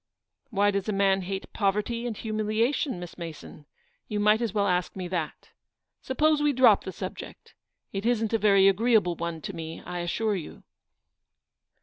""Why does a man hate poverty and humilia tion, Miss Mason? You might as well ask me that. Suppose we drop the subject. It isn't a very agreeable one to me, I assure you."